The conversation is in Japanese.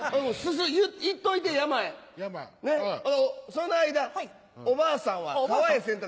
その間おばあさんは川へ洗濯。